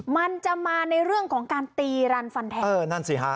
มันจะมาในเรื่องของการตีรันฟันแทงเออนั่นสิฮะ